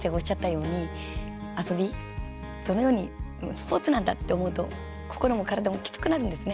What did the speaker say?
スポーツなんだって思うと心も体もきつくなるんですね。